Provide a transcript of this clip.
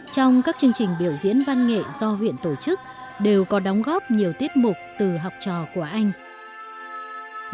trong các chương trình biểu diễn văn nghệ do huyện tổ chức đều có đóng góp nhiều tiết mục từ học trò của anh